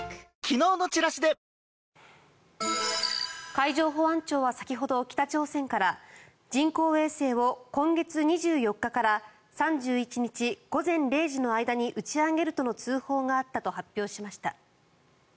海上保安庁は先ほど北朝鮮から、人工衛星を今月２４日から３１日午前０時の間に打ち上げるとの通報があったと発表しました。